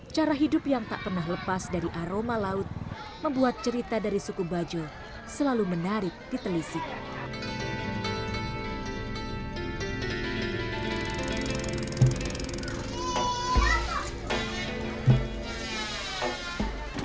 cara hidup yang tak pernah lepas dari aroma laut membuat cerita dari suku bajo selalu menarik ditelisik